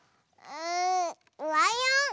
んライオン！